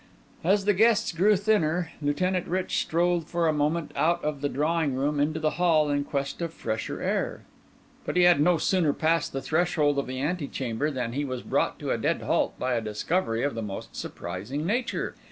As the guests grew thinner, Lieutenant Rich strolled for a moment out of the drawing room into the hall in quest of fresher air. But he had no sooner passed the threshold of the ante chamber than he was brought to a dead halt by a discovery of the most surprising nature.